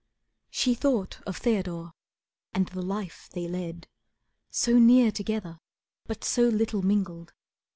She thought of Theodore and the life they led, So near together, but so little mingled.